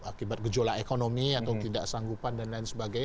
akibat gejolak ekonomi atau tidak sanggupan dan lain sebagainya